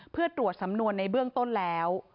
เพื่อตรวจสำนวนในเบื้องต้นแล้ว